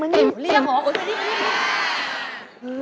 มานิ่ง